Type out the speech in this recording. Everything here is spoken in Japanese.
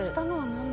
「何？